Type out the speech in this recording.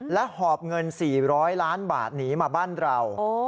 และหอบเงินสี่ร้อยล้านบาทหนีมาบ้านเราอ๋อ